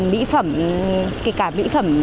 mỹ phẩm kể cả mỹ phẩm